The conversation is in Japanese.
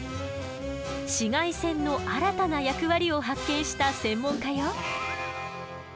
紫外線の新たな役割を発見した専門家よ。